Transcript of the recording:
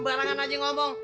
barangan aja ngomong